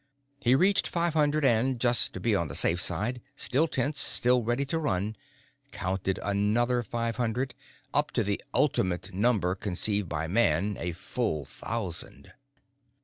He reached five hundred and, just to be on the safe side, still tense, still ready to run, counted another five hundred, up to the ultimate number conceived by man, a full thousand.